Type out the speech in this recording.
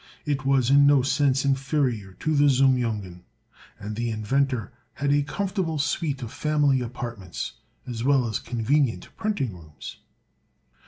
It was in no sense inferior to the Zum Jungen; and the inventor had a comfortable suite of family apartments, as well as convenient printing rooms.